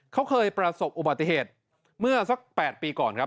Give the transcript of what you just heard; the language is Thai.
เขาเคยประสบอุบัติเหตุเมื่อสัก๘ปีก่อนครับ